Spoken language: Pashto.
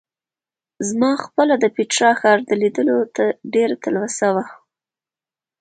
زما خپله د پېټرا ښار لیدلو ته ډېره تلوسه وه.